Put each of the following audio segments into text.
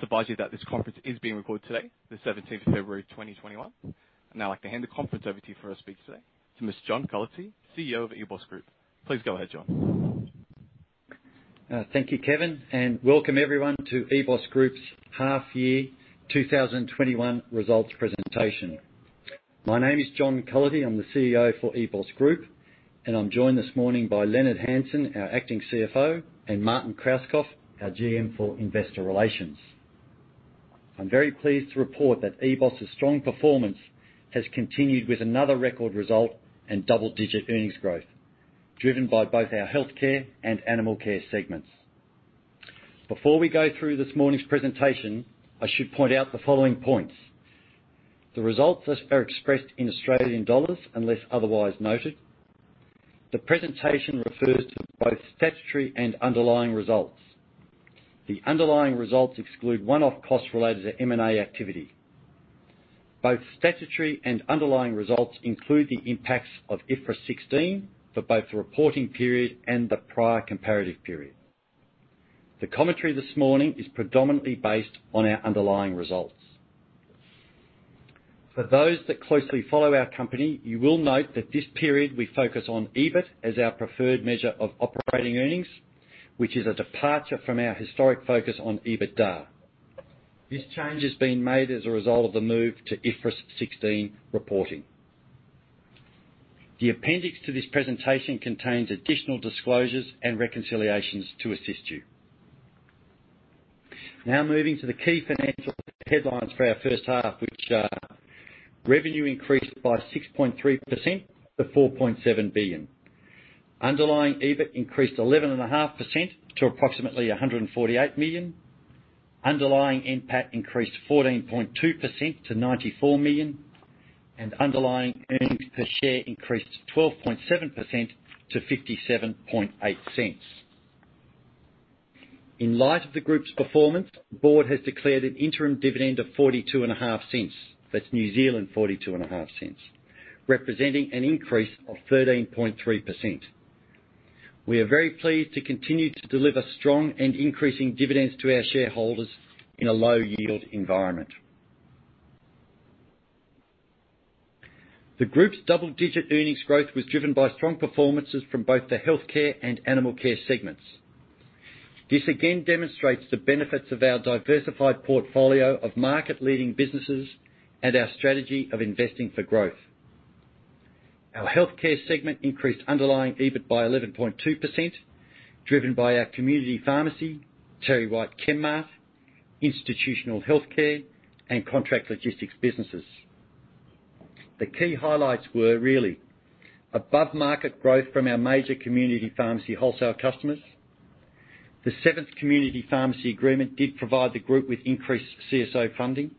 I advise you that this conference is being recorded today, the 17th of February, 2021. I'd now like to hand the conference over to you for our speaker today, Mr. John Cullity, CEO of EBOS Group. Please go ahead, John. Thank you, Kevin, and welcome everyone to EBOS Group's half year 2021 results presentation. My name is John Cullity. I'm the CEO for EBOS Group, and I'm joined this morning by Leonard Hansen, our acting CFO, and Martin Krauskopf, our GM for Investor Relations. I'm very pleased to report that EBOS's strong performance has continued with another record result in double-digit earnings growth, driven by both our Healthcare and Animal Care segments. Before we go through this morning's presentation, I should point out the following points. The results are expressed in AUD unless otherwise noted. The presentation refers to both statutory and underlying results. The underlying results exclude one-off costs related to M&A activity. Both statutory and underlying results include the impacts of IFRS 16 for both the reporting period and the prior comparative period. The commentary this morning is predominantly based on our underlying results. For those who closely follow our company, you will note that this period we focus on EBIT as our preferred measure of operating earnings, which is a departure from our historic focus on EBITDA. This change has been made as a result of the move to IFRS 16 reporting. The appendix to this presentation contains additional disclosures and reconciliations to assist you. Moving to the key financial headlines for our first half, which are revenue increased by 6.3% to 4.7 billion. Underlying EBIT increased 11.5% to approximately 148 million. Underlying NPAT increased 14.2% to 94 million. Underlying earnings per share increased 12.7% to 0.578. In light of the Group's performance, the board has declared an interim dividend of 0.425. That's 0.425, representing an increase of 13.3%. We are very pleased to continue to deliver strong and increasing dividends to our shareholders in a low-yield environment. The Group's double-digit earnings growth was driven by strong performances from both the Healthcare and Animal Care segments. This again demonstrates the benefits of our diversified portfolio of market-leading businesses and our strategy of investing for growth. Our Healthcare segment increased underlying EBIT by 11.2%, driven by our Community Pharmacy, TerryWhite Chemmart, Institutional Healthcare, and Contract Logistics businesses. The key highlights were really above-market growth from our major community pharmacy wholesale customers. The Seventh Community Pharmacy Agreement did provide the Group with increased CSO funding.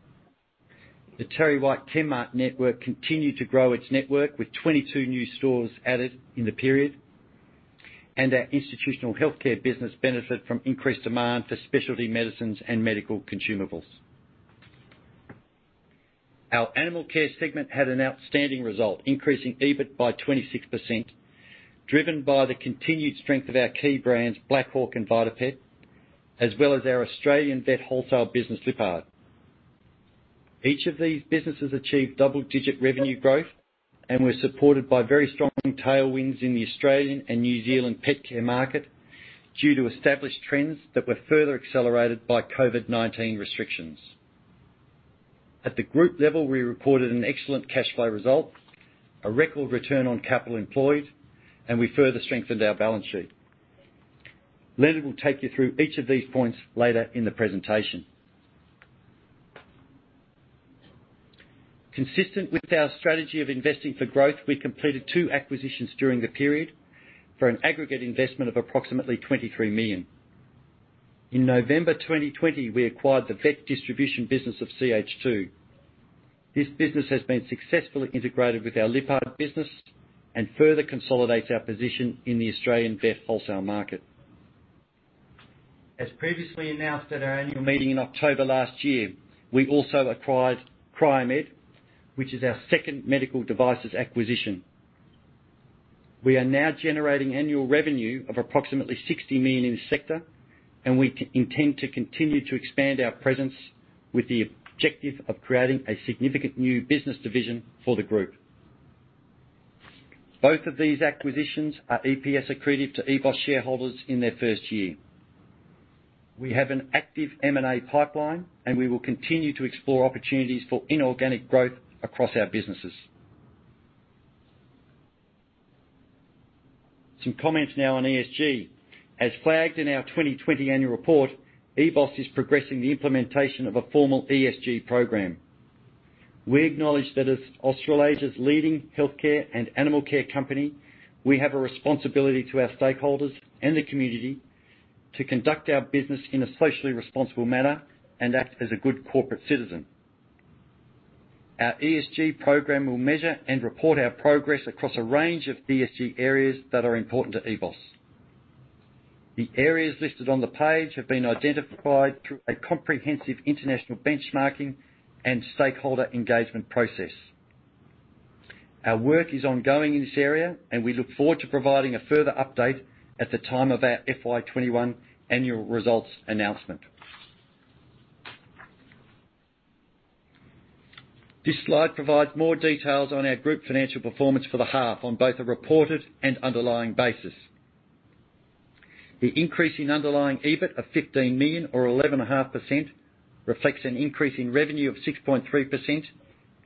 The TerryWhite Chemmart network continued to grow its network with 22 new stores added in the period. Our Institutional Healthcare business benefited from increased demand for specialty medicines and medical consumables. Our Animal Care segment had an outstanding result, increasing EBIT by 26%, driven by the continued strength of our key brands, Black Hawk and VitaPet, as well as our Australian vet wholesale business, Lyppard. Each of these businesses achieved double-digit revenue growth and was supported by very strong tailwinds in the Australian and New Zealand pet care market due to established trends that were further accelerated by COVID-19 restrictions. At the Group level, we reported an excellent cash flow result, a record return on capital employed, and we further strengthened our balance sheet. Leonard will take you through each of these points later in the presentation. Consistent with our strategy of investing for growth, we completed two acquisitions during the period for an aggregate investment of approximately AUD 23 million. In November 2020, we acquired the vet distribution business of CH2. This business has been successfully integrated with our Lyppard business and further consolidates our position in the Australian vet wholesale market. As previously announced at our annual meeting in October last year, we also acquired Cryomed, which is our second medical device acquisition. We are now generating an annual revenue of approximately 60 million in this sector, and we intend to continue to expand our presence with the objective of creating a significant new business division for the Group. Both of these acquisitions are EPS accretive to EBOS shareholders in their first year. We have an active M&A pipeline, and we will continue to explore opportunities for inorganic growth across our businesses. Some comments now on ESG. As flagged in our 2020 annual report, EBOS is progressing the implementation of a formal ESG program. We acknowledge that, as Australasia's leading healthcare and animal care company, we have a responsibility to our stakeholders and the community to conduct our business in a socially responsible manner and act as a good corporate citizen. Our ESG program will measure and report our progress across a range of ESG areas that are important to EBOS. The areas listed on the page have been identified through a comprehensive international benchmarking and stakeholder engagement process. Our work is ongoing in this area, and we look forward to providing a further update at the time of our FY 2021 annual results announcement. This slide provides more details on our Group financial performance for the half on both a reported and an underlying basis. The increase in underlying EBIT of 15 million or 11.5% reflects an increase in revenue of 6.3%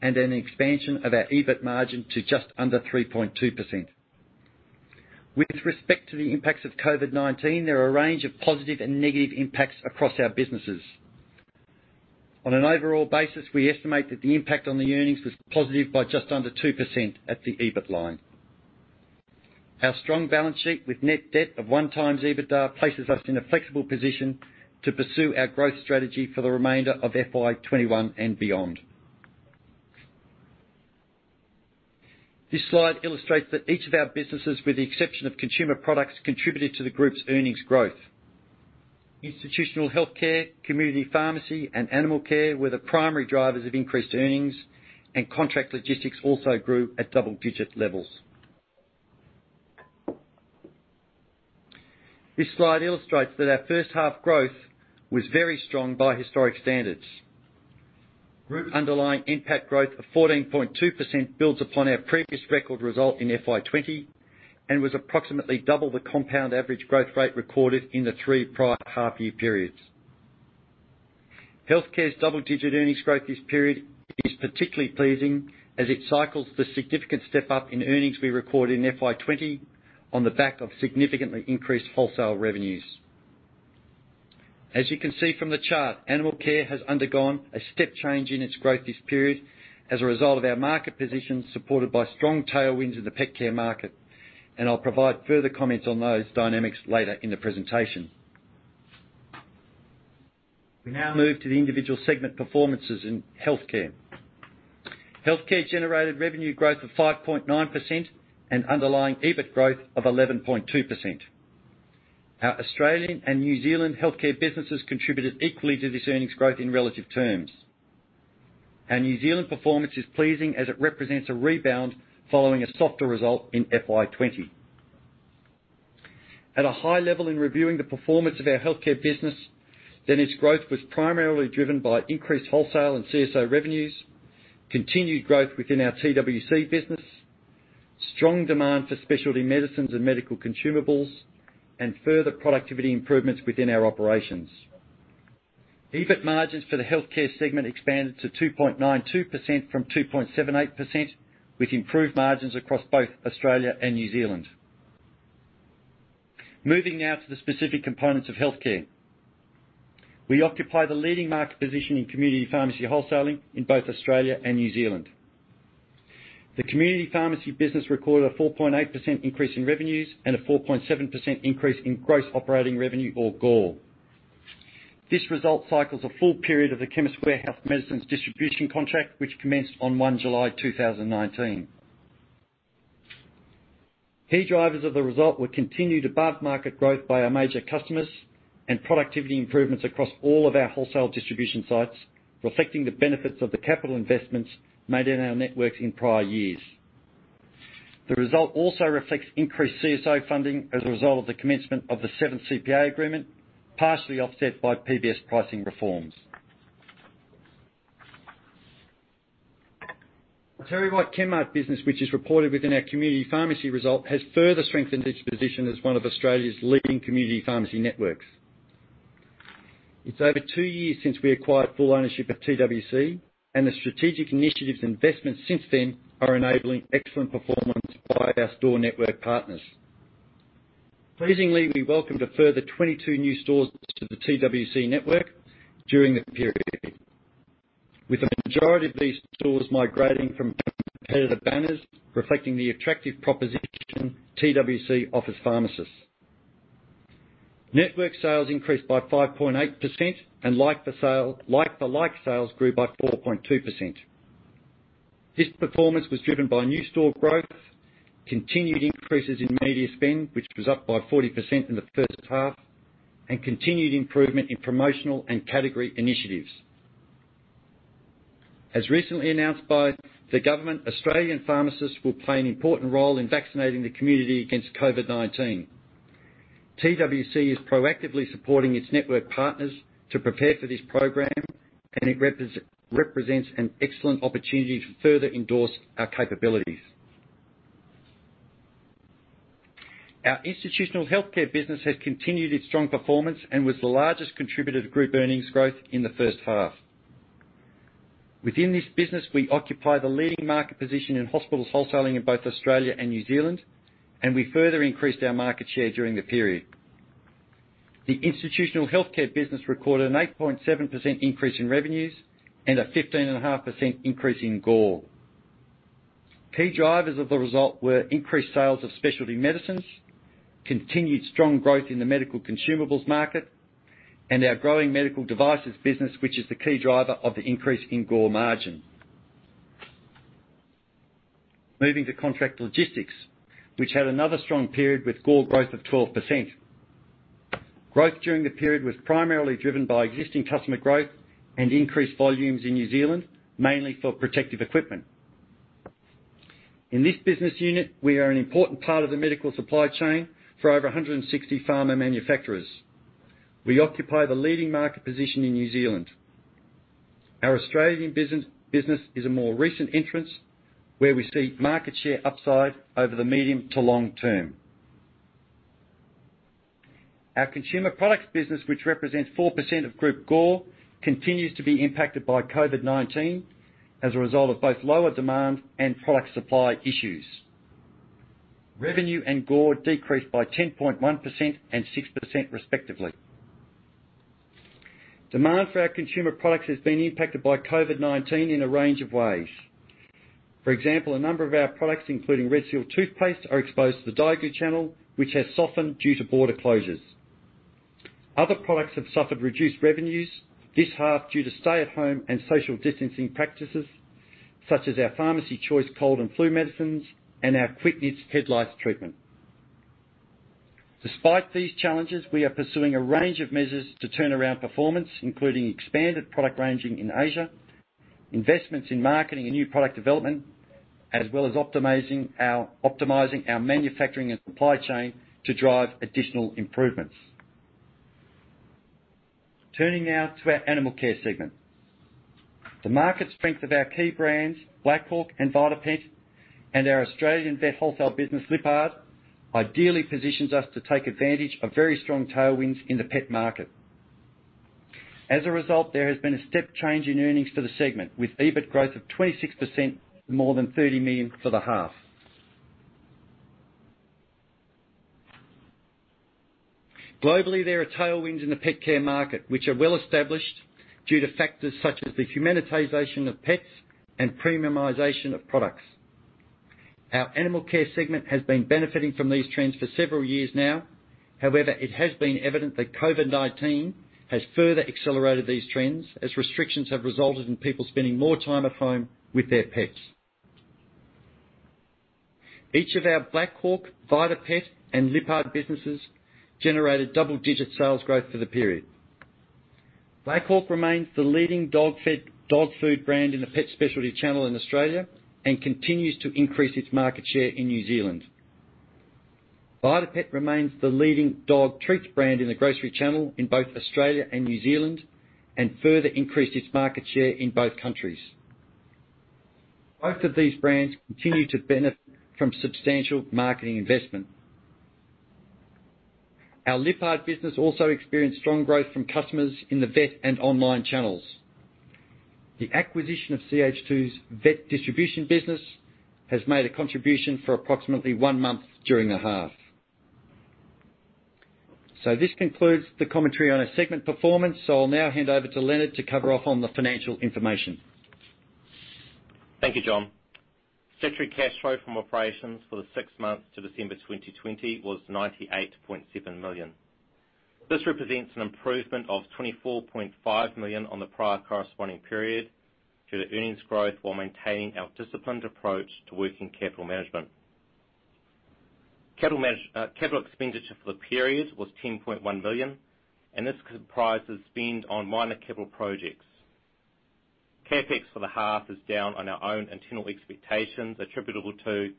and an expansion of our EBIT margin to just under 3.2%. With respect to the impacts of COVID-19, there are a range of positive and negative impacts across our businesses. On an overall basis, we estimate that the impact on the earnings was positive by just under 2% at the EBIT line. Our strong balance sheet with net debt of 1.0x EBITDA places us in a flexible position to pursue our growth strategy for the remainder of FY 2021 and beyond. This slide illustrates that each of our businesses, with the exception of Consumer Products, contributed to the Group's earnings growth. Institutional Healthcare, Community Pharmacy, and Animal Care were the primary drivers of increased earnings, and Contract Logistics also grew at double-digit levels. This slide illustrates that our first half growth was very strong by historic standards. Group underlying NPAT growth of 14.2% builds upon our previous record result in FY 2020 and was approximately double the compound average growth rate recorded in the three prior half year periods. Healthcare's double-digit earnings growth this period is particularly pleasing as it cycles the significant step-up in earnings we recorded in FY 2020 on the back of significantly increased wholesale revenues. As you can see from the chart, Animal Care has undergone a step change in its growth this period as a result of our market position, supported by strong tailwinds in the pet care market. I'll provide further comments on those dynamics later in the presentation. We now move to the individual segment performances in Healthcare. Healthcare generated revenue growth of 5.9% and underlying EBIT growth of 11.2%. Our Australian and New Zealand Healthcare businesses contributed equally to this earnings growth in relative terms. Our New Zealand performance is pleasing as it represents a rebound following a softer result in FY 2020. At a high level, in reviewing the performance of our Healthcare business, its growth was primarily driven by increased wholesale and CSO revenues, continued growth within our TWC business, strong demand for specialty medicines and medical consumables, and further productivity improvements within our operations. EBIT margins for the Healthcare segment expanded to 2.92% from 2.78%, with improved margins across both Australia and New Zealand. Moving now to the specific components of Healthcare. We occupy the leading market position in community pharmacy wholesaling in both Australia and New Zealand. The Community Pharmacy business recorded a 4.8% increase in revenues and a 4.7% increase in gross operating revenue, or GOR. This result cycles a full period of the Chemist Warehouse medicines distribution contract, which commenced on July 1, 2019. Key drivers of the result were continued above-market growth by our major customers and productivity improvements across all of our wholesale distribution sites, reflecting the benefits of the capital investments made in our networks in prior years. The result also reflects increased CSO funding as a result of the commencement of the Seventh CPA agreement, partially offset by PBS pricing reforms. The TerryWhite Chemmart business, which is reported within our Community Pharmacy result, has further strengthened its position as one of Australia's leading community pharmacy networks. It is over two years since we acquired full ownership of TWC, and the strategic initiatives and investments since then are enabling excellent performance by our store network partners. Pleasingly, we welcomed a further 22 new stores to the TWC network during the period, with the majority of these stores migrating from competitor banners, reflecting the attractive proposition TWC offers pharmacists. Network sales increased by 5.8%, and like-for-like sales grew by 4.2%. This performance was driven by new store growth, continued increases in media spend, which was up by 40% in the first half, and continued improvement in promotional and category initiatives. As recently announced by the government, Australian pharmacists will play an important role in vaccinating the community against COVID-19. TWC is proactively supporting its network partners to prepare for this program, and it represents an excellent opportunity to further endorse our capabilities. Our Institutional Healthcare business has continued its strong performance and was the largest contributor to the Group earnings growth in the first half. Within this business, we occupy the leading market position in hospital wholesaling in both Australia and New Zealand, and we further increased our market share during the period. The Institutional Healthcare business recorded an 8.7% increase in revenues and a 15.5% increase in GOR. Key drivers of the result were increased sales of specialty medicines, continued strong growth in the medical consumables market, and our growing medical devices business, which is the key driver of the increase in GOR margin. Moving to Contract Logistics, which had another strong period with GOR growth of 12%. Growth during the period was primarily driven by existing customer growth and increased volumes in New Zealand, mainly for protective equipment. In this business unit, we are an important part of the medical supply chain for over 160 pharma manufacturers. We occupy the leading market position in New Zealand. Our Australian business is a more recent entrance, where we see market share upside over the medium to long term. Our Consumer Products business, which represents 4% of Group GOR, continues to be impacted by COVID-19 as a result of both lower demand and product supply issues. Revenue and GOR decreased by 10.1% and 6%, respectively. Demand for our Consumer Products has been impacted by COVID-19 in a range of ways. For example, a number of our products, including Red Seal toothpaste, are exposed to the daigou channel, which has softened due to border closures. Other products have suffered reduced revenues this half due to stay-at-home and social distancing practices, such as our Pharmacy Choice cold and flu medicines and our Quitnits head lice treatment. Despite these challenges, we are pursuing a range of measures to turn around performance, including expanded product range in Asia, investments in marketing and new product development, as well as optimizing our manufacturing and supply chain to drive additional improvements. Turning now to our Animal Care segment. The market strength of our key brands, Black Hawk and VitaPet, and our Australian vet wholesale business, Lyppard, ideally positions us to take advantage of very strong tailwinds in the pet market. As a result, there has been a step change in earnings for the segment, with EBIT growth of 26%, more than 30 million for the half. Globally, there are tailwinds in the pet care market, which are well established due to factors such as the humanization of pets and the premiumization of products. Our Animal Care segment has been benefiting from these trends for several years now. However, it has been evident that COVID-19 has further accelerated these trends, as restrictions have resulted in people spending more time at home with their pets. Each of our Black Hawk, VitaPet, and Lyppard businesses generated double-digit sales growth for the period. Black Hawk remains the leading dog food brand in the pet specialty channel in Australia and continues to increase its market share in New Zealand. VitaPet remains the leading dog treats brand in the grocery channel in both Australia and New Zealand and further increased its market share in both countries. Both of these brands continue to benefit from substantial marketing investment. Our Lyppard business also experienced strong growth from customers in the vet and online channels. The acquisition of CH2's vet distribution business has made a contribution for approximately one month during the half. This concludes the commentary on our segment performance. I'll now hand over to Leonard to cover off on the financial information. Thank you, John. Statutory cash flow from operations for the six months to December 2020 was 98.7 million. This represents an improvement of 24.5 million on the prior corresponding period to the earnings growth while maintaining our disciplined approach to working capital management. Capital expenditure for the period was 10.1 million. This comprises spending on minor capital projects. CapEx for the half is down on our own internal expectations, attributable to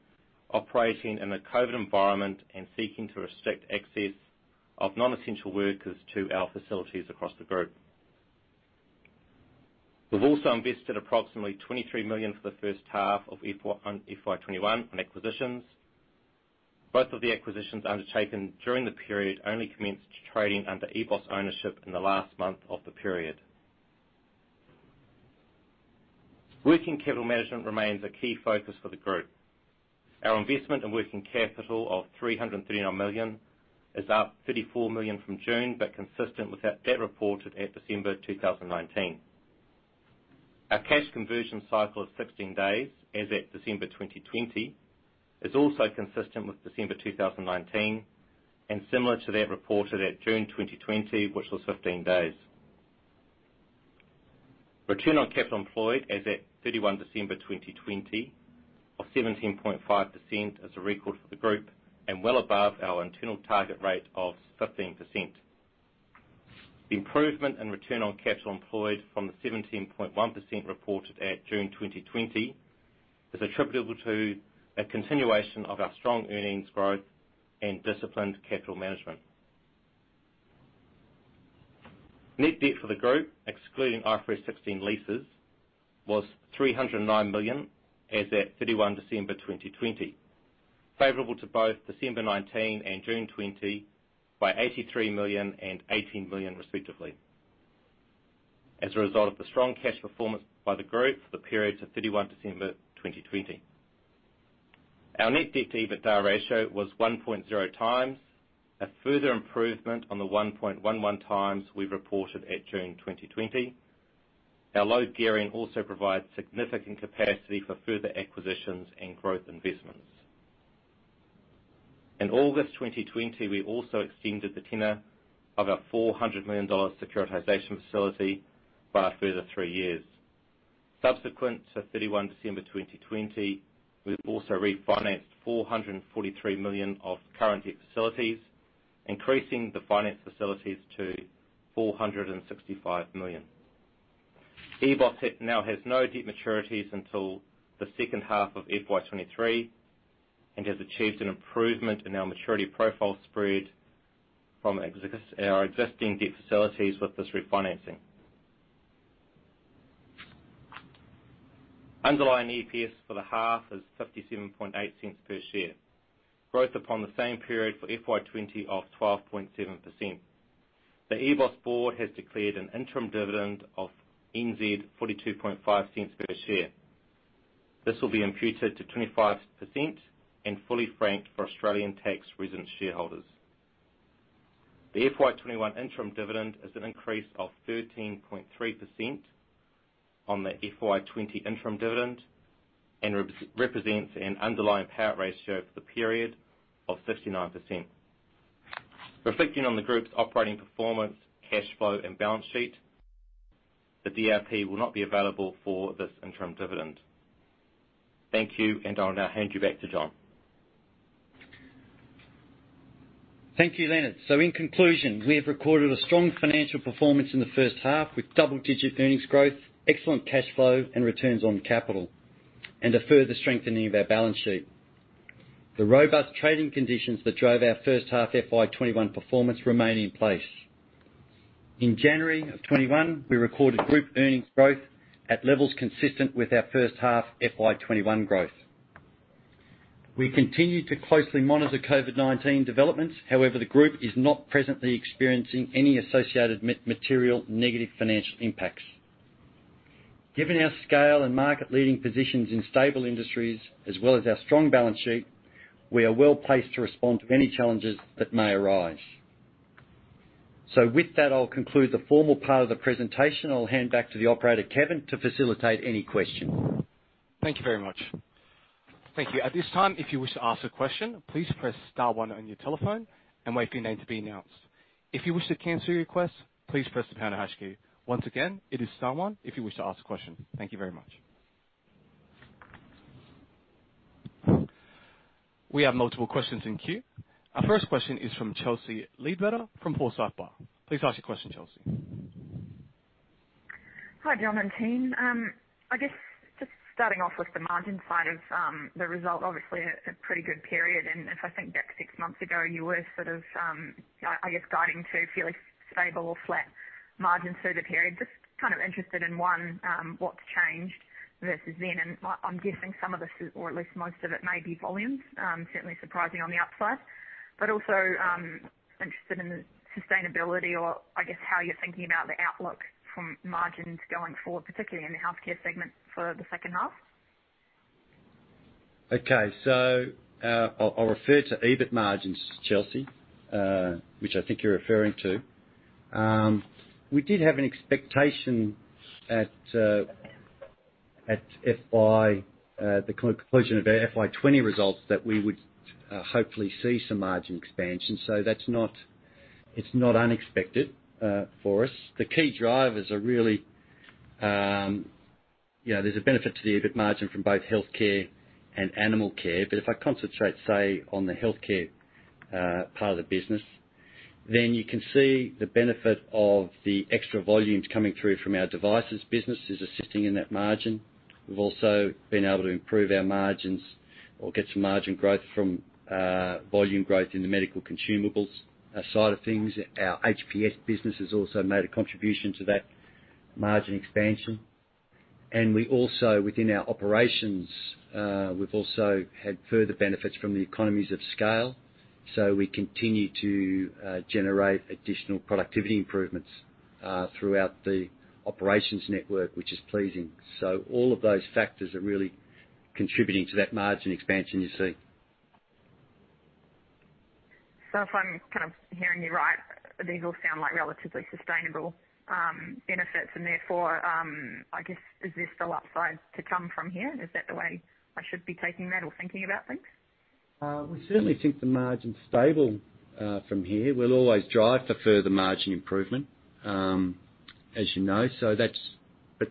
operating in a COVID-19 environment and seeking to restrict access of non-essential workers to our facilities across the Group. We've also invested approximately 23 million for the first half of FY 2021 on acquisitions. Both of the acquisitions undertaken during the period only commenced trading under EBOS ownership in the last month of the period. Working capital management remains a key focus for the Group. Our investment in working capital of AUD 339 million is up AUD 34 million from June, but consistent with that reported at December 2019. Our cash conversion cycle of 16 days as at December 2020 is also consistent with December 2019 and similar to that reported at June 2020, which was 15 days. Return on capital employed as at 31 December 2020 of 17.5% is a record for the Group and well above our internal target rate of 15%. The improvement in return on capital employed from the 17.1% reported at June 2020 is attributable to a continuation of our strong earnings growth and disciplined capital management. Net debt for the Group, excluding IFRS 16 leases, was 309 million as at 31 December 2020, favorable to both December 2019 and June 2020 by 83 million and 18 million respectively, as a result of the strong cash performance by the Group for the period to 31 December 2020. Our net debt-to-EBITDA ratio was 1.0x, a further improvement on the 1.11x we reported at June 2020. Our low gearing also provides significant capacity for further acquisitions and growth investments. In August 2020, we also extended the tenor of our 400 million dollars securitization facility by a further three years. Subsequent to 31 December 2020, we've also refinanced 443 million of current debt facilities, increasing the finance facilities to 465 million. EBOS now has no debt maturities until the second half of FY 2023 and has achieved an improvement in our maturity profile spread from our existing debt facilities with this refinancing. Underlying EPS for the half is 0.578 per share. Growth upon the same period for FY 2020 of 12.7%. The EBOS board has declared an interim dividend of 0.425 per share. This will be imputed to 25% and fully franked for Australian tax resident shareholders. The FY 2021 interim dividend is an increase of 13.3% on the FY 2020 interim dividend and represents an underlying payout ratio for the period of 69%. Reflecting on the Group's operating performance, cash flow, and balance sheet, the DRP will not be available for this interim dividend. Thank you, and I'll now hand you back to John. Thank you, Leonard. In conclusion, we have recorded a strong financial performance in the first half with double-digit earnings growth, excellent cash flow and returns on capital, and a further strengthening of our balance sheet. The robust trading conditions that drove our first half FY 2021 performance remain in place. In January of 2021, we recorded Group earnings growth at levels consistent with our first half FY 2021 growth. We continue to closely monitor COVID-19 developments. However, the Group is not presently experiencing any associated material negative financial impacts. Given our scale and market-leading positions in stable industries, as well as our strong balance sheet, we are well-placed to respond to any challenges that may arise. With that, I'll conclude the formal part of the presentation. I'll hand back to the operator, Kevin, to facilitate any questions. Thank you very much. Thank you. At this time, if you wish to ask a question, please press star one on your telephone and wait to be announced. If you wish to cancel your request, please press the pound or hash key. Once again, it is star one if you wish to ask a question. Thank you very much. We have multiple questions in the queue. Our first question is from Chelsea Leadbetter from Forsyth Barr. Please ask your question, Chelsea. Hi, John and team. I guess just starting off with the margin side of the result, obviously, a pretty good period. If I think back six months ago, you were sort of, I guess, guiding to fairly stable or flat margins through the period. Just kind of interested in, one, what's changed versus then? I'm guessing some of the, or at least most of it, may be volumes, certainly surprising on the upside. Also, interested in the sustainability or, I guess, how you're thinking about the outlook from margins going forward, particularly in the healthcare segment for the second half. Okay. I'll refer to EBIT margins, Chelsea, which I think you're referring to. We did have an expectation at the conclusion of our FY 2020 results that we would hopefully see some margin expansion. It's not unexpected for us. The key drivers are really, there's a benefit to the EBIT margin from both Healthcare and Animal Care. If I concentrate, say, on the Healthcare part of the business, you can see the benefit of the extra volumes coming through from our devices business is assisting in that margin. We've also been able to improve our margins or get some margin growth from volume growth in the medical consumables side of things. Our HPS business has also made a contribution to that margin expansion. Within our operations, we've also had further benefits from the economies of scale. We continue to generate additional productivity improvements throughout the operations network, which is pleasing. All of those factors are really contributing to that margin expansion you see. If I'm kind of hearing you right, these all sound like relatively sustainable benefits, and therefore, I guess, is there still upside to come from here? Is that the way I should be taking that or thinking about things? We certainly think the margin's stable from here. We'll always drive for further margin improvement, as you know.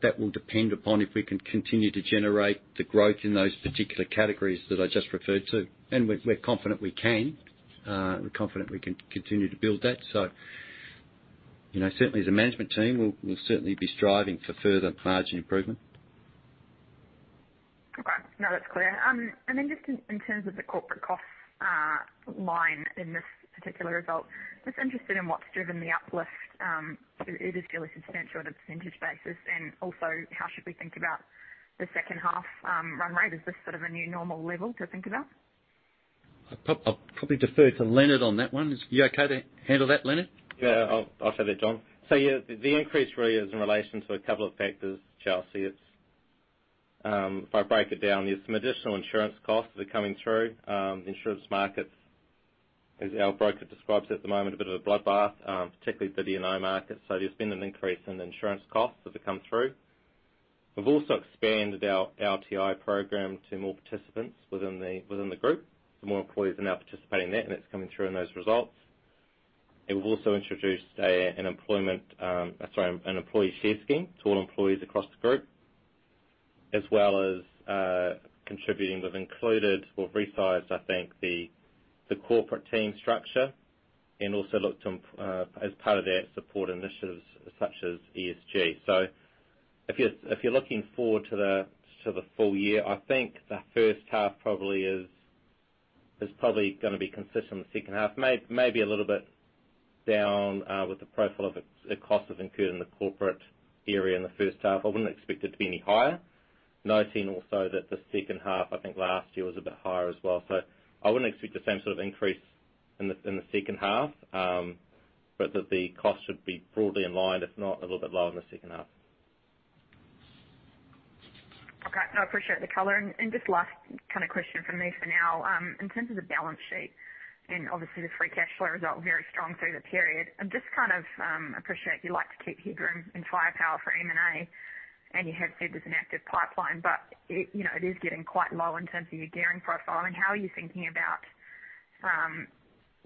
That will depend upon if we can continue to generate the growth in those particular categories that I just referred to. We're confident we can. We're confident we can continue to build that. Certainly, as a management team, we'll certainly be striving for further margin improvement. Okay. No, that's clear. Then, just in terms of the corporate cost line in this particular result, just interested in what's driven the uplift. It is fairly substantial on a percentage basis. Also, how should we think about the second half run rate? Is this sort of a new normal level to think about? I'll probably defer to Leonard on that one. Are you okay to handle that, Leonard? Yeah. I'll take that, John. Yeah, the increase really is in relation to a couple of factors, Chelsea. If I break it down, there are some additional insurance costs that are coming through. The insurance market, as our broker describes it at the moment, is a bit of a bloodbath, particularly the D&O market. There's been an increase in insurance costs as they come through. We've also expanded our LTI program to more participants within the Group. More employees are now participating in that, and it's coming through in those results. We've also introduced an employee share scheme to all employees across the Group, as well as contributing. We've included or resized, I think, the corporate team structure and also looked as part of that support initiatives such as ESG. If you're looking forward to the full year, I think the first half will probably going to be consistent in the second half. Maybe a little bit down with the profile of the cost that's included in the corporate area in the first half. I wouldn't expect it to be any higher. Noting also that the second half, I think, last year was a bit higher as well. I wouldn't expect the same sort of increase in the second half. That the cost should be broadly in line, if not a little bit lower, in the second half. Okay. No, I appreciate the color. Just one last question from me for now. In terms of the balance sheet, and obviously, the free cash flow results very strongly through the period. I'd just kind of appreciate that you like to keep headroom and firepower for M&A, and you have said there's an active pipeline, but it is getting quite low in terms of your gearing profile. How are you thinking about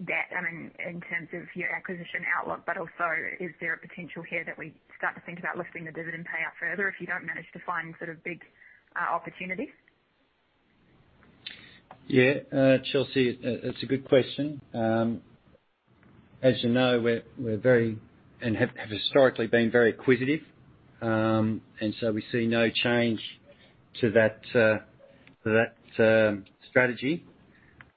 debt, I mean, in terms of your acquisition outlook, but also, is there a potential here that we start to think about lifting the dividend payout further if you don't manage to find big opportunities? Chelsea, that's a good question. As you know, we're very, and have historically been very acquisitive. We see no change to that strategy.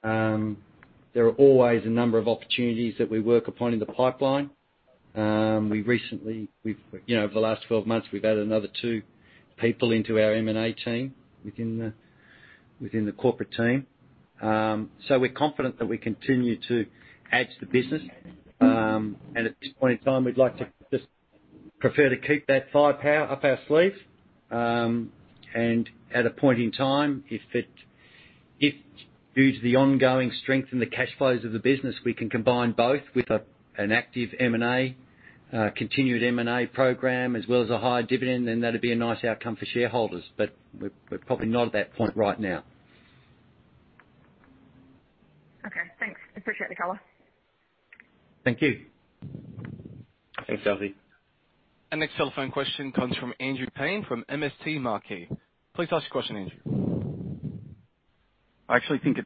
There are always a number of opportunities that we work upon in the pipeline. We recently, over the last 12 months, we've added another two people to our M&A team within the corporate team. We're confident that we will continue to add to the business. At this point in time, we'd like to just prefer to keep that firepower up our sleeve. At a point in time, if due to the ongoing strength and the cash flows of the business, we can combine both with an active M&A, continued M&A program, as well as a higher dividend, then that'd be a nice outcome for shareholders. We're probably not at that point right now. Okay, thanks. Appreciate the color. Thank you. Thanks, Chelsea. Our next telephone question comes from Andrew Paine from MST Marquee. Please ask your question, Andrew. I actually think it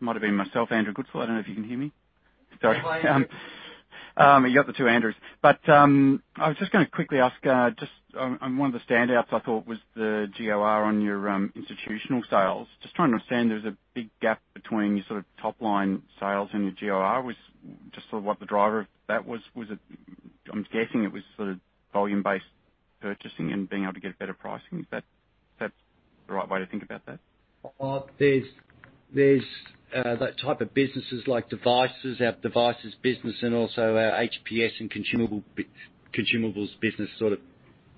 might've been myself, Andrew Goodsall. I don't know if you can hear me? Sorry. Hi, Andrew. You got the two Andrews. I was just gonna quickly ask, just on one of the standouts, I thought was the GOR on your institutional sales. Just trying to understand, there was a big gap between your top-line sales and your GOR. Was just sort of what the driver of that was? I'm guessing it was volume-based purchasing and being able to get better pricing. Is that the right way to think about that? There are those types of businesses, like devices, our devices business, and also our HPS and consumables business sort of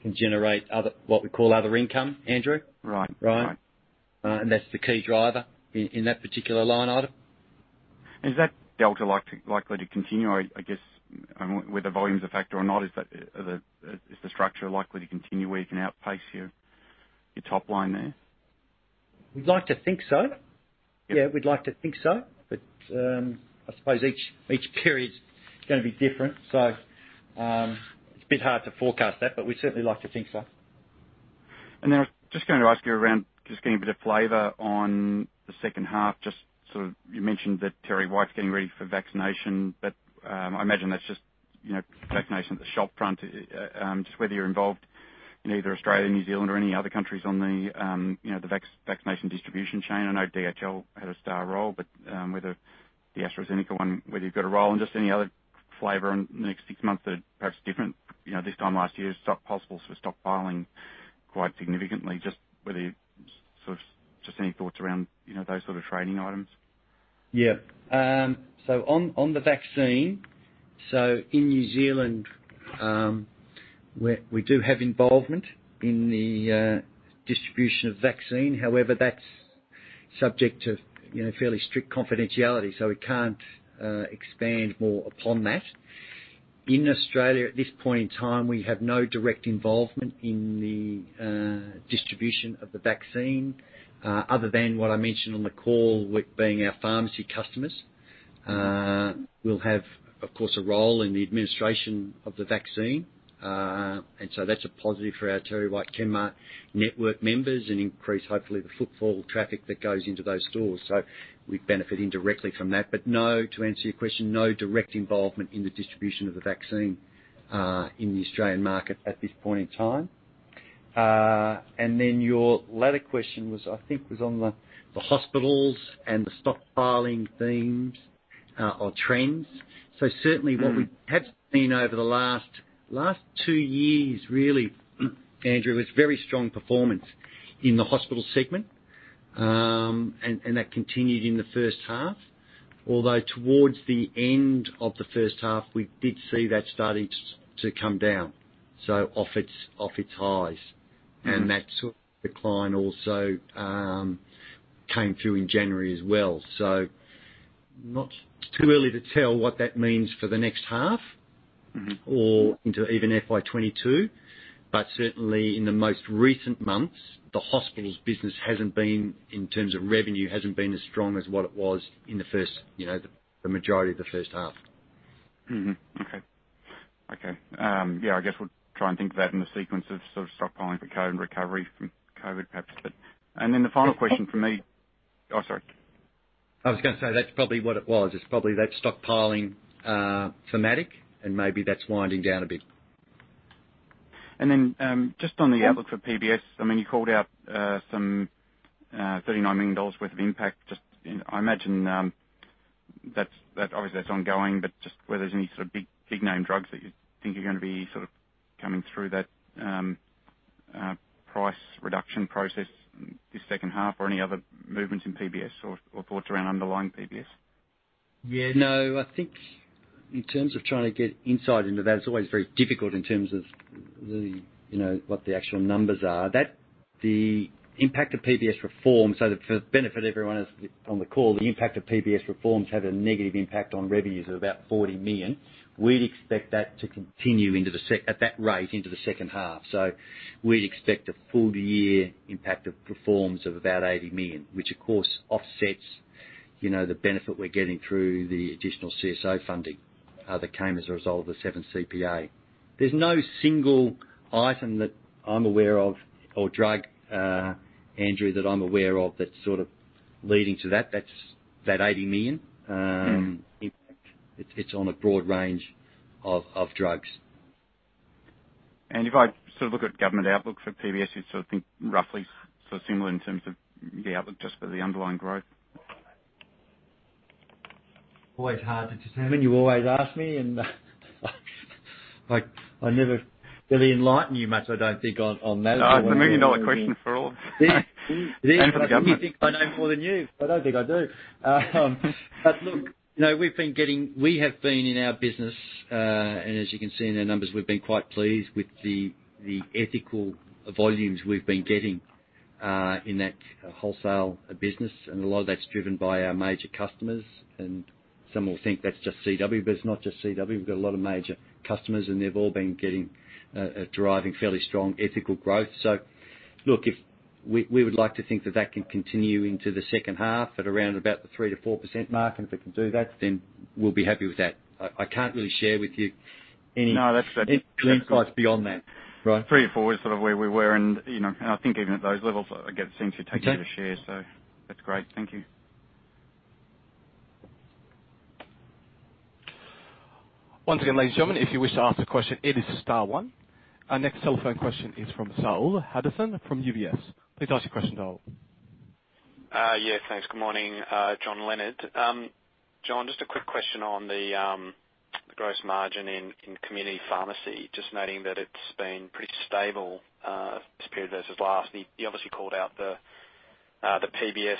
can generate what we call other income, Andrew. Right. Right. That's the key driver in that particular line item. Is that delta likely to continue? I guess, whether volume is a factor or not, is the structure likely to continue where you can outpace your top line there? We'd like to think so. Yeah? We'd like to think so. I suppose each period's gonna be different. It's a bit hard to forecast that, but we certainly like to think so. I was just going to ask you around, just getting a bit of flavor on the second half, just sort of you mentioned that TerryWhite is getting ready for vaccination, but I imagine that's just vaccination at the shop front. Whether you're involved in either Australia, New Zealand, or any other country in the vaccination distribution chain. I know DHL had a star role, whether the AstraZeneca one, whether you've got a role, and just any other flavor in the next six months that is perhaps different. This time last year, hospitals were stockpiling quite significantly. Just whether you have any thoughts around those sorts of trading items. Yeah. On the vaccine. In New Zealand, we do have involvement in the distribution of the vaccine. However, that's subject to fairly strict confidentiality, so we can't expand more upon that. In Australia, at this point in time, we have no direct involvement in the distribution of the vaccine other than what I mentioned on the call, with being our pharmacy customers. We'll have, of course, a role in the administration of the vaccine. That's a positive for our TerryWhite Chemmart network members and increases, hopefully, the footfall traffic that goes into those stores. We benefit indirectly from that. No, to answer your question, no direct involvement in the distribution of the vaccine in the Australian market at this point in time. Your latter question was, I think was on the hospitals and the stockpiling themes or trends. Certainly, what we have seen over the last two years, really, Andrew, was a very strong performance in the hospital segment, and that continued in the first half. Although towards the end of the first half, we did see that starting to come down, so off its highs. That decline also came through in January as well. Not too early to tell what that means for the next half or into even FY 2022. Certainly, in the most recent months, the hospitals business, in terms of revenue, hasn't been as strong as what it was in the majority of the first half. Okay. I guess we'll try and think of that in the sequence of stockpiling for COVID and recovery from COVID, perhaps. And the final question from me- I was going to say that's probably what it was. It's probably that stockpiling thematic, and maybe that's winding down a bit. Then, just on the outlook for PBS, you called out some 39 million dollars worth of impact. I imagine, obviously, that's ongoing, but just where there's any sort of big-name drugs that you think are going to be coming through that price reduction process this second half, or any other movements in PBS, or thoughts around underlying PBS? I think in terms of trying to get insight into that, it's always very difficult in terms of what the actual numbers are. The impact of PBS reforms, for the benefit of everyone on the call, the impact of PBS reforms had a negative impact on revenues of about 40 million. We'd expect that to continue at that rate into the second half. We'd expect a full-year impact of reforms of about 80 million, which, of course, offsets the benefit we're getting through the additional CSO funding that came as a result of the Seventh CPA. There's no single item that I'm aware of or drug, Andrew, that I'm aware of that's sort of leading to that 80 million impact. It's on a broad range of drugs. If I look at government outlooks for PBS, you'd think roughly similar in terms of the outlook just for the underlying growth? Always hard to determine. You always ask me, and I never really enlighten you much, I don't think, on that. It's the million-dollar question for all, even for the government. You think I know more than you. I don't think I do. Look, we have been in our business, and as you can see in our numbers, we've been quite pleased with the ethical volumes we've been getting in that wholesale business, and a lot of that's driven by our major customers, and some will think that's just CW, but it's not just CW. We've got a lot of major customers, and they've all been driving fairly strong ethical growth. Look, we would like to think that that can continue into the second half at around about the 3%-4% mark, and if it can do that, then we'll be happy with that. I can't really share with you any insights beyond that. Pretty forward of where we were. I think even at those levels, again, it seems you're taking a share. That's great. Thank you. Once again, ladies and gentlemen, if you wish to ask a question, it is star one. Our next telephone question is from Saul Hadassin from UBS. Please ask your question, Saul. Yeah, thanks. Good morning, John, Leonard. John, just a quick question on the gross margin in Community Pharmacy. Just noting that it has been pretty stable this period versus last. You obviously called out the PBS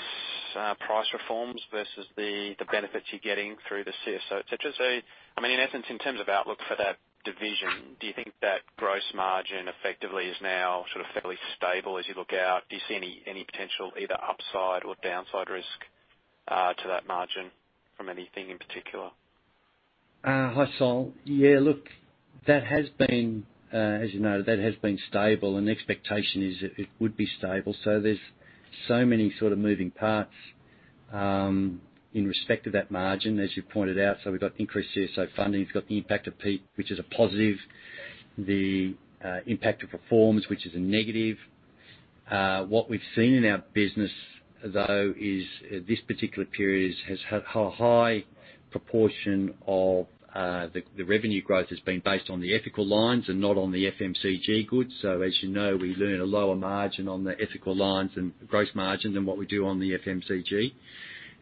price reforms versus the benefits you are getting through the CSO. In essence, in terms of outlook for that division, do you think that gross margin effectively is now sort of fairly stable as you look out? Do you see any potential either upside or downside risk to that margin from anything in particular? Hi, Saul. Yeah, look, as you noted, that has been stable, and the expectation is it would be stable. There are so many sorts of moving parts with respect to that margin, as you pointed out. We've got increased CSO funding. We've got the impact of PBS, which is a positive, and the impact of reforms, which is a negative. What we've seen in our business, though, is this particular period, a high proportion of the revenue growth has been based on the ethical lines and not on the FMCG goods. As you know, we earn a lower margin on the ethical lines and gross margin than what we do on the FMCG.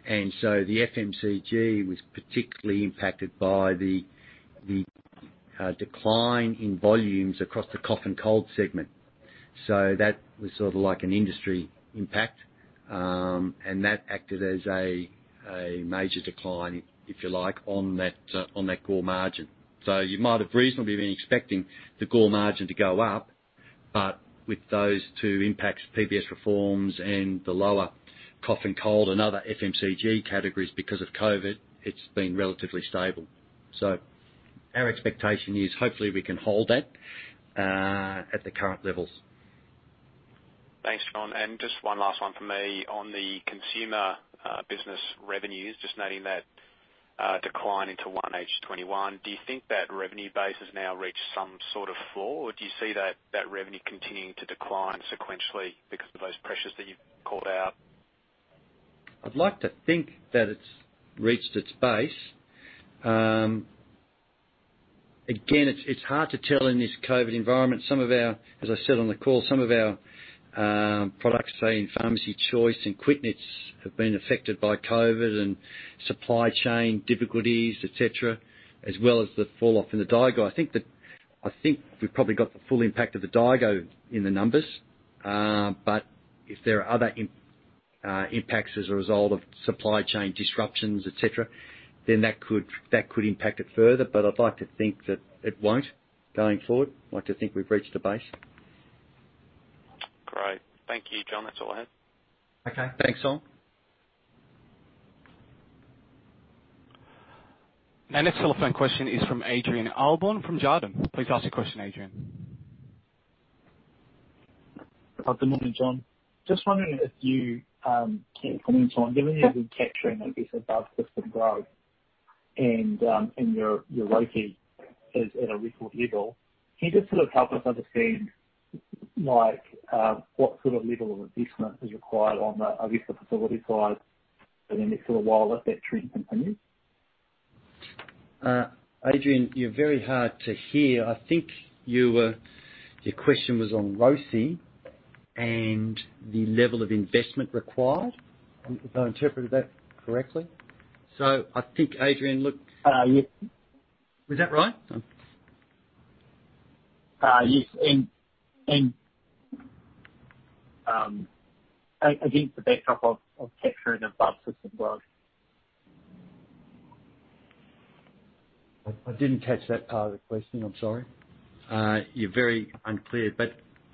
The FMCG was particularly impacted by the decline in volumes across the cough and cold segment. That was sort of like an industry impact, and that acted as a major decline, if you like, on that GOR margin. You might have reasonably been expecting the GOR margin to go up. With those two impacts, PBS reforms and the lower cough and cold and other FMCG categories because of COVID, it's been relatively stable. Our expectation is hopefully we can hold that at the current levels. Thanks, John. Just one last one from me. On the Consumer Products business revenues, just noting that decline into 1H 2021, do you think that revenue base has now reached some sort of floor? Do you see that revenue continuing to decline sequentially because of those pressures that you've called out? I'd like to think that it's reached its base. It's hard to tell in this COVID environment. As I said on the call, some of our products, say in Pharmacy Choice and Quitnits, have been affected by COVID and supply chain difficulties, et cetera, as well as the fall-off in daigou. I think we've probably got the full impact of the daigou in the numbers. If there are other impacts as a result of supply chain disruptions, et cetera, then that could impact it further. I'd like to think that it won't going forward. I'd like to think we've reached a base. Thank you, John. That's all I had. Okay. Thanks, Saul. Our next telephone question is from Adrian Allbon from Jarden. Please ask your question, Adrian. Good morning, John. Just wondering if you can comment on, given you're capturing above system growth and your ROCE is at a record level, can you just help us understand what sort of level of investment is required on the rest of the facility side for the next little while if that trend continues? Adrian, you're very hard to hear. I think your question was on ROCE and the level of investment required. If I interpreted that correctly. I think Adrian- Yes? Is that right? Yes. Against the backdrop of capturing above system growth. I didn't catch that part of the question. I'm sorry. You're very unclear.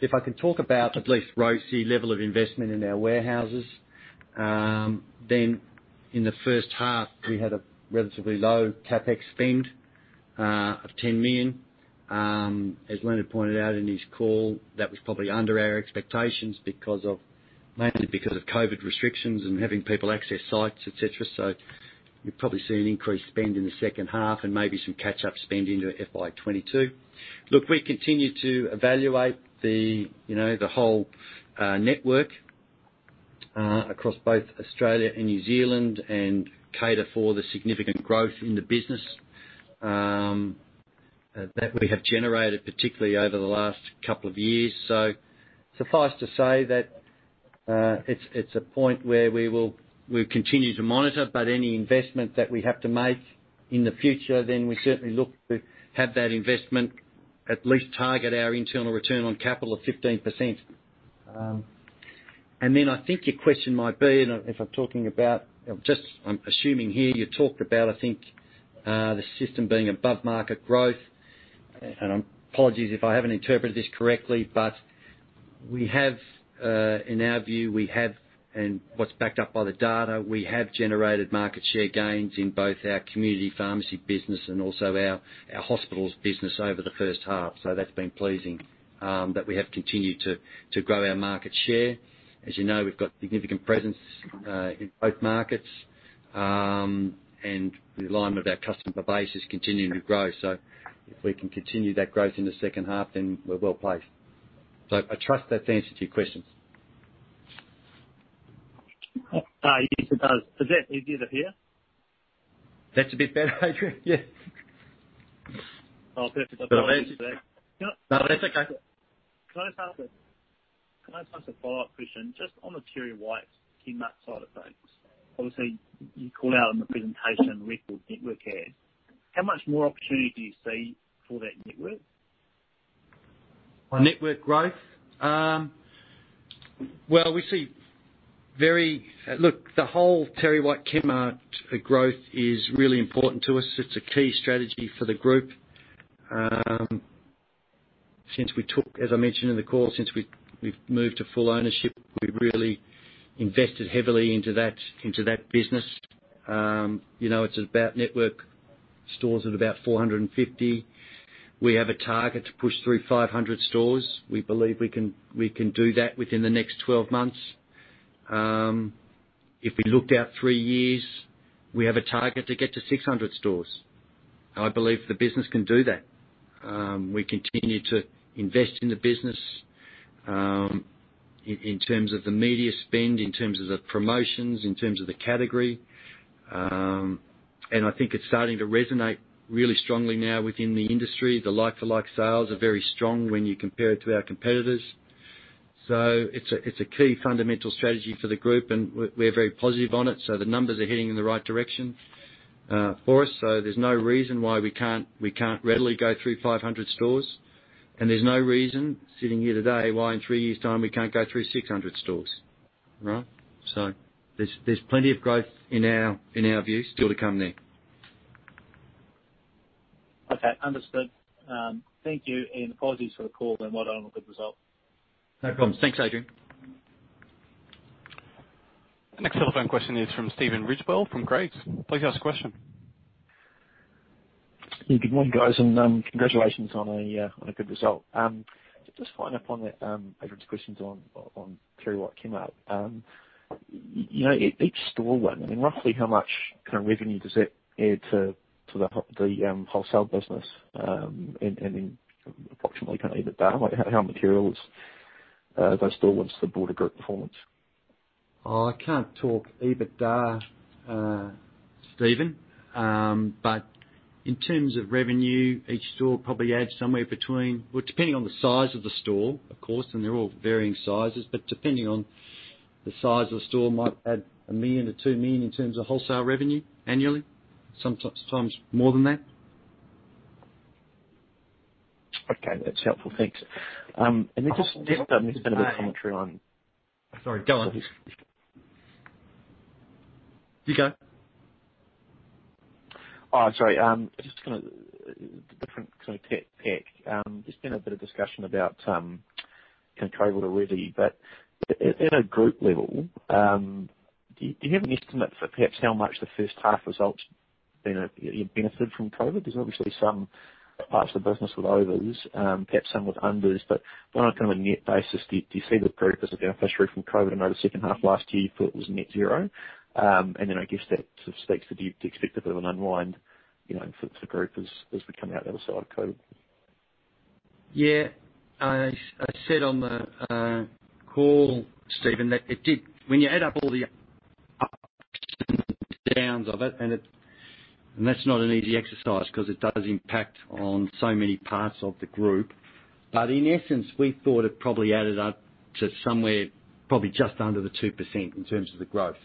If I can talk about at least the ROCE level of investment in our warehouses, in the first half, we had a relatively low CapEx spend of 10 million. As Leonard pointed out in his call, that was probably under our expectations, mainly because of COVID restrictions and having people access sites, et cetera. You'll probably see an increased spend in the second half, and maybe some catch-up spend into FY 2022. Look, we continue to evaluate the whole network across both Australia and New Zealand and cater for the significant growth in the business that we have generated, particularly over the last couple of years. Suffice to say that it's a point where we'll continue to monitor, but any investment that we have to make in the future, then we certainly look to have that investment at least target our internal return on capital of 15%. I think your question might be, and if I'm talking about just what I'm assuming here, you talked about, I think, the system being above-market growth. Apologies if I haven't interpreted this correctly, but in our view, and what's backed up by the data, we have generated market share gains in both our Community Pharmacy business and also our hospitals business over the first half. It's been pleasing that we have continued to grow our market share. As you know, we've got a significant presence in both markets, and the alignment of our customer base is continuing to grow. If we can continue that growth in the second half, then we're well-placed. I trust that's answered your questions. Yes, it does. Is that easier to hear now? That's a bit better, Adrian. Yeah. Oh, perfect. I apologize for that. No, that's okay. Can I just ask a follow-up question, just on the TerryWhite Chemmart side of things? Obviously, you call out in the presentation record network add. How much more opportunity do you see for that network? On network growth? Look, the whole TerryWhite Chemmart growth is really important to us. It's a key strategy for the Group. As I mentioned in the call, since we've moved to full ownership, we've really invested heavily in that business. It's about network stores at about 450. We have a target to push through 500 stores. We believe we can do that within the next 12 months. If we look out three years, we have a target to get to 600 stores, I believe the business can do that. We continue to invest in the business, in terms of the media spend, in terms of the promotions, in terms of the category. I think it's starting to resonate really strongly now within the industry. The like-for-like sales are very strong when you compare them to our competitors. It's a key fundamental strategy for the Group, and we're very positive on it. The numbers are heading in the right direction for us. There's no reason why we can't readily go through 500 stores. There's no reason, sitting here today, why in three years' time we can't go through 600 stores. Right? There's plenty of growth in our view still to come there. Okay, understood. Thank you. Apologies for the call, and well done on the good result. No problems. Thanks, Adrian. The next telephone question is from Stephen Ridgewell from Craigs. Please ask a question. Good morning, guys. Congratulations on a good result. Just following up on that, Adrian's questions on TerryWhite Chemmart. Each store, one, I mean, roughly how much kind of revenue does that add to the wholesale business? Approximately kind of EBITDA, like how material are those store ones to the broader Group performance? I can't talk EBITDA, Stephen. In terms of revenue, each store probably adds well, depending on the size of the store, of course, and they're all varying sizes. Depending on the size of the store, it might add 1 million-2 million in terms of wholesale revenue annually, sometimes more than that. Okay. That's helpful. Thanks. Just a bit of a commentary on- Sorry, go on. You go. Oh, sorry. Just kind of different kind of topic. There's been a bit of discussion about, kind of, COVID already, but at a Group level, do you have an estimate for perhaps how much the first half results benefited from COVID? There are obviously some parts of the business with overs, perhaps some with unders. On a kind of net basis, do you see the Group as a beneficiary of COVID? I know the second half of last year, you thought it was net zero. I guess that sort of speaks. Do you expect a bit of an unwind for the Group as we come out the other side of COVID? Yeah. I said on the call, Stephen, that when you add up all the ups and downs of it, and that's not an easy exercise because it does impact on so many parts of the Group. In essence, we thought it probably added up to somewhere probably just under 2% in terms of the growth,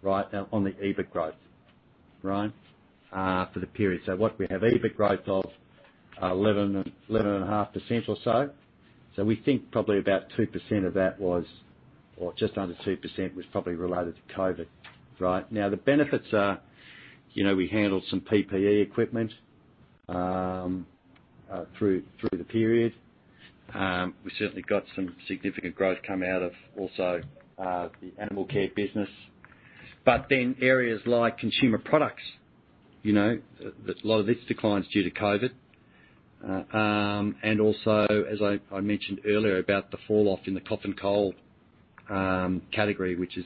right now, on the EBIT growth. For the period. What we have is EBIT growth of 11.5% or so. We think probably about 2% of that was, or just under 2%, was probably related to COVID. The benefits are that we handled some PPE equipment during the period. We certainly got some significant growth coming out of also the Animal Care business. In areas like Consumer Products, a lot of this decline is due to COVID. Also, as I mentioned earlier about the falloff in the cough and cold category, which is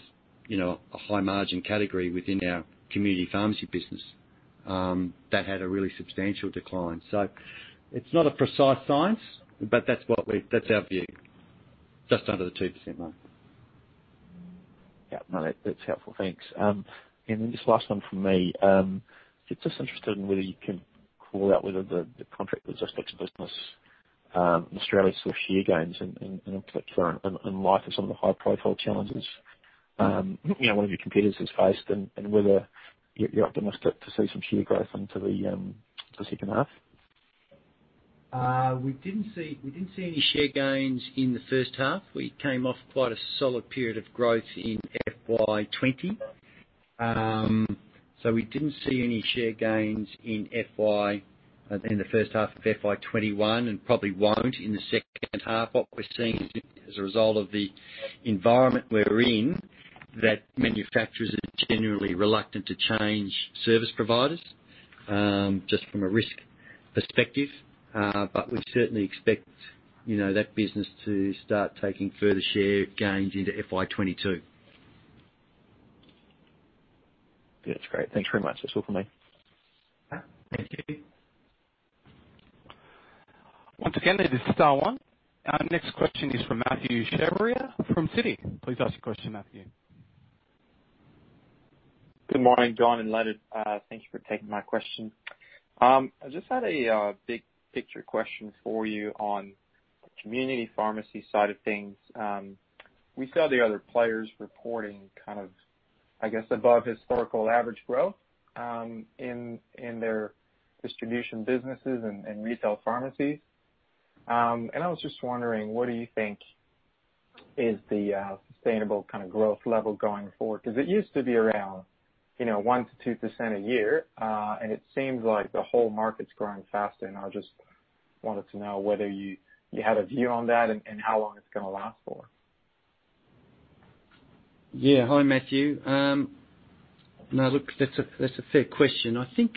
a high-margin category within our Community Pharmacy business, it had a really substantial decline. It's not a precise science, but that's our view. Just under the 2% mark. Yeah. No, that's helpful. Thanks. Just one last one from me. Just interested in whether you can call out whether the Contract Logistics business in Australia saw share gains, in particular in light of some of the high-profile challenges one of your competitors has faced, and whether you're optimistic to see some share growth into the second half? We didn't see any share gains in the first half. We came off quite a solid period of growth in FY 2020. We didn't see any share gains in the first half of FY 2021 and probably won't in the second half. What we're seeing as a result of the environment we're in is that manufacturers are generally reluctant to change service providers, just from a risk perspective. We certainly expect that business to start taking further share gains into FY 2022. That's great. Thanks very much. That's all for me. Okay. Thank you. Once again, it is star one. Our next question is from Mathieu Chevrier from Citi. Please ask your question, Mathieu. Good morning, John and Leonard. Thank you for taking my question. I just had a big picture question for you on the Community Pharmacy side of things. We saw the other players reporting kind of, I guess, above historical average growth in their distribution businesses and retail pharmacies. I was just wondering, what do you think is the sustainable kind of growth level going forward? Because it used to be around 1% to 2% a year, and it seems like the whole market's growing faster, and I just wanted to know whether you had a view on that, and how long it's going to last for? Hi, Mathieu. Look, that's a fair question. I think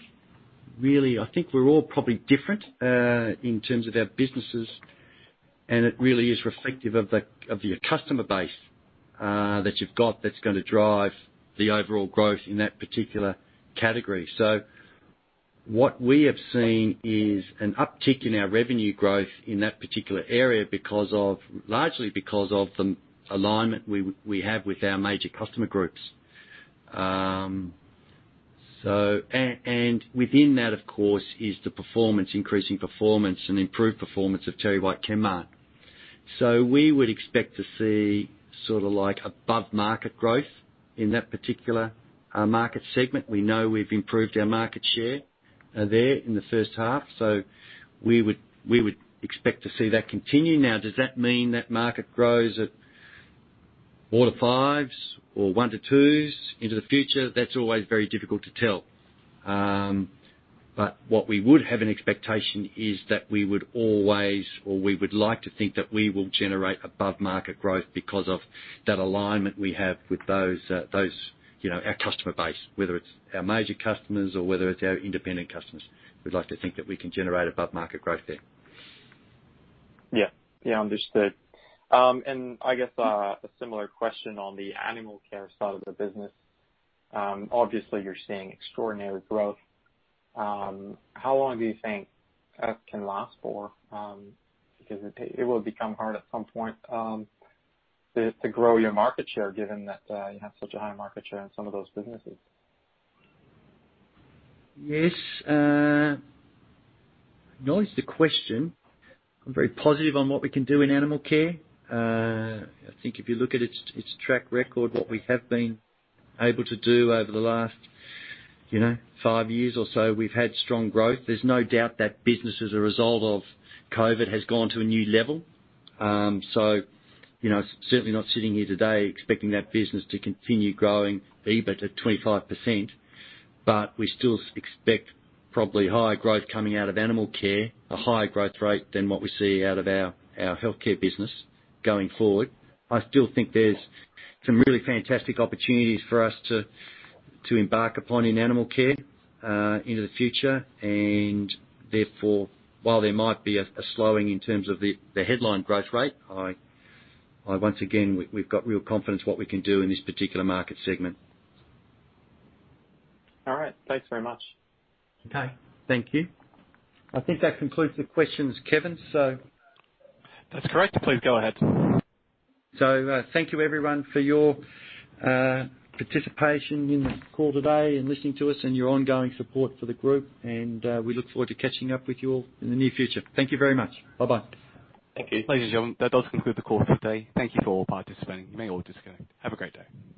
we're all probably different, in terms of our businesses, and it really is reflective of the customer base that you've got, that's going to drive the overall growth in that particular category. What we have seen is an uptick in our revenue growth in that particular area, largely because of the alignment we have with our major customer groups. Within that, of course, is the performance, increasing performance, and improved performance of TerryWhite Chemmart. We would expect to see sort of above-market growth in that particular market segment. We know we've improved our market share there in the first half. We would expect to see that continue. Does that mean that the market grows at four to five or one to two in the future? That's always very difficult to tell. What we would have an expectation is that we would always, or we would like to think that we will generate above-market growth because of that alignment we have with our customer base, whether it's our major customers or whether it's our independent customers. We'd like to think that we can generate above-market growth there. Yeah. Understood. I guess a similar question on the Animal Care side of the business. Obviously, you're seeing extraordinary growth. How long do you think that can last? It will become hard at some point to grow your market share, given that you have such a high market share in some of those businesses. Yes. I acknowledge the question. I'm very positive about what we can do in Animal Care. I think if you look at its track record, what we have been able to do over the last five years or so, we've had strong growth. There's no doubt that business, as a result of COVID-19, has gone to a new level. Certainly not sitting here today expecting that business to continue growing EBIT at 25%. We still expect probably higher growth coming out of Animal Care, a higher growth rate than what we see out of our Healthcare business going forward. I still think there are some really fantastic opportunities for us to embark upon in Animal Care, into the future. Therefore, while there might be a slowing in terms of the headline growth rate, once again, we've got real confidence in what we can do in this particular market segment. All right. Thanks very much. Okay. Thank you. I think that concludes the questions, Kevin. So- That's correct. Please go ahead. Thank you, everyone, for your participation in this call today and for listening to us and for your ongoing support for the Group. We look forward to catching up with you all in the near future. Thank you very much. Bye-bye. Thank you. Ladies and gentlemen, that does conclude the call for today. Thank you for participating. You may all disconnect. Have a great day.